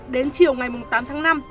đến chiều ngày tám tháng năm